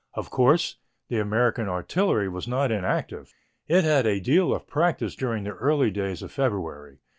Of course, the American artillery was not inactive. It had a deal of practice during the early days of February.